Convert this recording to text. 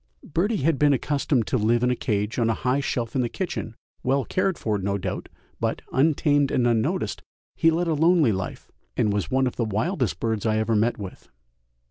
Birdie had been accustomed to live in a cage on a high shelf in the kitchen, well cared for, no doubt, but, untamed and unnoticed, he led a lonely life, and was one of the wildest birds I ever met with.